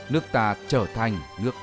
nước ta trở thành ngược đảng